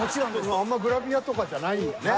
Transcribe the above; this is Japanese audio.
あんまグラビアとかじゃないんだね。